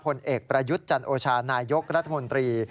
ผลเอกประยุทธ์จันโอชานายกรัฐมนตรี